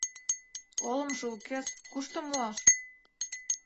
— Олымжо укес, кушто муаш?